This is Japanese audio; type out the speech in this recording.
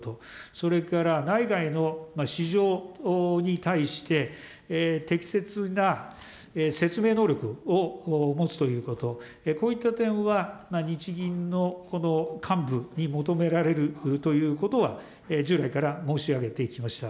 それから内外の市場に対して、適切な説明能力を持つということ、こういった点は日銀のこの幹部に求められるということは、従来から申し上げてきました。